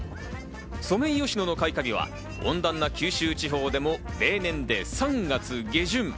ソメイヨシノの開花には温暖な九州地方でも例年で３月下旬。